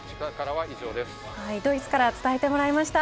ドイツから伝えてもらいました。